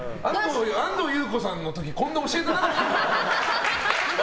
安藤優子さんの時こんな教えてなかったよ。